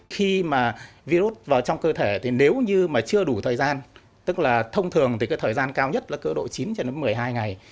khi mà virus vào trong cơ thể thì nếu như mà chưa đủ thời gian tức là thông thường thì cái thời gian cao nhất là cơ độ chín cho đến một mươi hai ngày